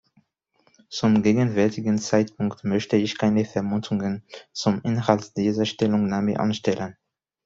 Zum gegenwärtigen Zeitpunkt möchte ich keine Vermutungen zum Inhalt dieser Stellungnahme anstellen.